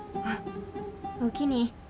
あっおおきに。